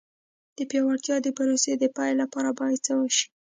د پیاوړتیا د پروسې د پیل لپاره باید څه وشي.